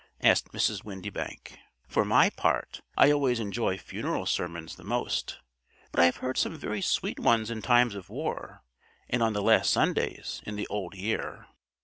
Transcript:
asked Mrs. Windybank. "For my part, I always enjoy funeral sermons the most; but I've heard some very sweet ones in times of war, and on the last Sundays in the Old Year."